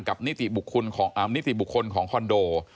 นิติบุคคลของคอนโด